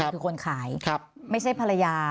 คือคนขายไม่ใช่ภรรยา